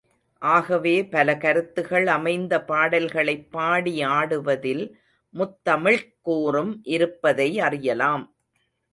ஆகவே, பல கருத்துகள் அமைந்த பாடல்களைப் பாடி ஆடுவதில் முத்தமிழ்க் கூறும் இருப்பதை அறியலாம்.